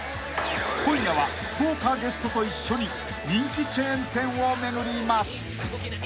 ［今夜は豪華ゲストと一緒に人気チェーン店を巡ります］